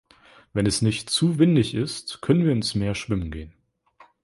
Wenn es nicht zu windig ist, können wir ins Meer schwimmen gehen.